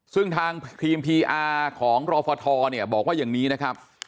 ซึ่งทางทีมพีอาร์ของรอฟทเนี่ยบอกว่าอย่างนี้นะครับ